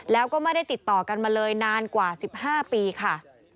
แล้วก็ไม่ได้ติดต่อกันมาเลยนานกว่า๑๕ปีค่ะ